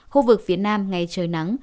khu vực phía nam ngày trời nắng